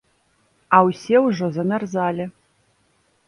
А ўсе ўжо замярзалі.